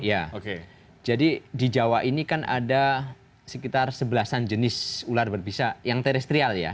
ya jadi di jawa ini kan ada sekitar sebelasan jenis ular berbisa yang terestrial ya